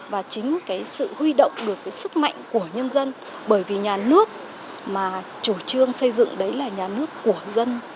và chính cái sự huy động được cái sức mạnh của nhân dân bởi vì nhà nước mà chủ trương xây dựng đấy là nhà nước của dân